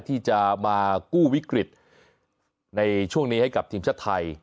ที่จะมากู้วิกฤตในช่วงนี้ให้กับทีมชาติไทย